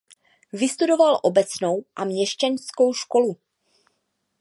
Vystudoval obecnou a měšťanskou školu.